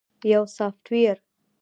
- یو سافټویر 📦